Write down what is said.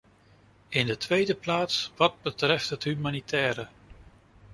In de tweede plaats, wat betreft het humanitaire.